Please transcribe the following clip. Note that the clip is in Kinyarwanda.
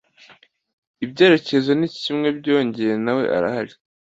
Ibyerekezo nikimwe byongeye nawe urahari